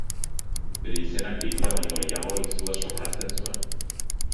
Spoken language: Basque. Bere izenak lilura baino gehiago izua sorrarazten zuen.